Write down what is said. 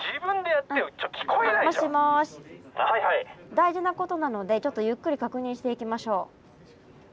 大事なことなのでちょっとゆっくり確認していきましょう。